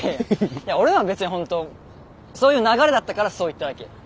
いや俺は別に本当そういう流れだったからそう言っただけ。